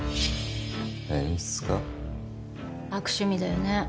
悪趣味だよね